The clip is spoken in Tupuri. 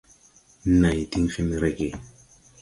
Này diŋ fen rege.